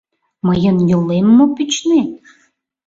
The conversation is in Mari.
Мыйын йолем мо пӱчнет?